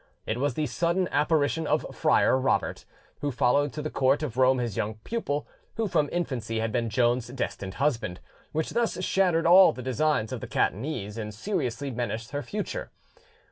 It was the sudden apparition of Friar Robert, who followed to the court of Rome his young pupil, who from infancy had been Joan's destined husband, which thus shattered all the designs of the Catanese and seriously menaced her future.